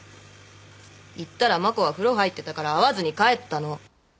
行ったら真子は風呂入ってたから会わずに帰ったの。